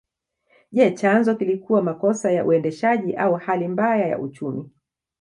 Je chanzo kilikuwa makosa ya uendeshaji au hali mbaya ya uchumi